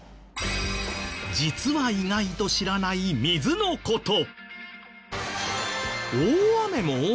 実は意外と知らない水のこと。